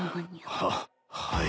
ははい。